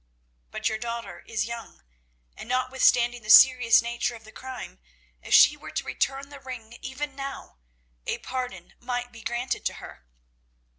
But your daughter is young, and, notwithstanding the serious nature of the crime, if she were to return the ring even now, a pardon might be granted to her.